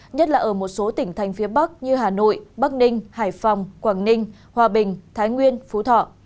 nhất là ở một số tỉnh thành phía bắc như hà nội bắc ninh hải phòng quảng ninh hòa bình thái nguyên phú thọ